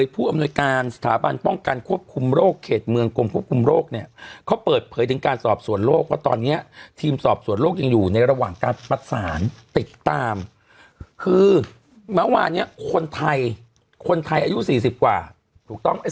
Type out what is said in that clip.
เพราะตอนเนี้ยทีมสอบสวนโลกยังอยู่ในระหว่างการประสานติดตามคือเมื่อวานเนี้ยคนไทยคนไทยอายุสี่สิบกว่าถูกต้องไหม